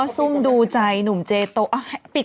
ขออีกทีอ่านอีกที